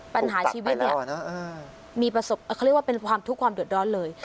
ปัญหาชีวิตเนี่ยมีประสบเขาเรียกว่าเป็นความทุกข์ความเดือดร้อนเลย